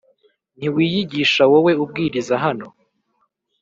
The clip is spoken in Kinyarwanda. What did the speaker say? ntiwiyigisha Wowe ubwiriza hano